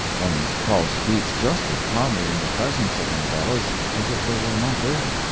One's pulse beats just as calmly in the presence of umbrellas as if they were not there.